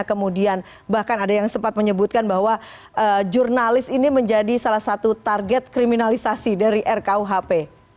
kemudian bahkan ada yang sempat menyebutkan bahwa jurnalis ini menjadi salah satu target kriminalisasi dari rkuhp